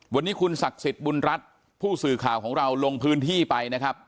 วันนี้คุณศักดิ์สิทธิ์บุญรัฐผู้สื่อข่าวของเราลงพื้นที่ไปนะครับ